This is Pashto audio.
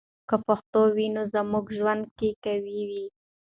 که پښتو وي، نو زموږ ژوند کې قوی وي.